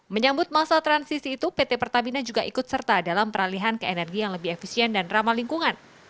menyambut masa transisi itu pt pertamina juga ikut serta dalam peralihan ke energi yang lebih efisien dan ramah lingkungan